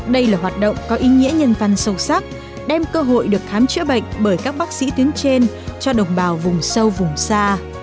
đây là hoạt động có ý nghĩa nhân văn sâu sắc đem cơ hội được khám chữa bệnh bởi các bác sĩ tuyến trên cho đồng bào vùng sâu vùng xa